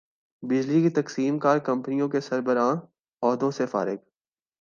بجلی کی تقسیم کار کمپنیوں کے سربراہان عہدوں سے فارغ